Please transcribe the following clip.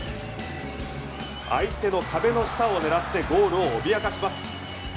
相手の壁の下を狙ってゴールを脅かします。